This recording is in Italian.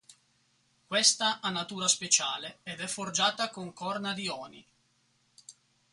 Questa ha natura speciale ed è forgiata con corna di oni.